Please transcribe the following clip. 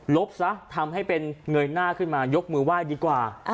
บซะทำให้เป็นเงยหน้าขึ้นมายกมือไหว้ดีกว่า